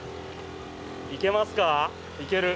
行けますか？